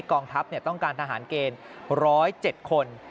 กองทัพต้องการทหารเกณฑ์ร้อยเจ็ดคน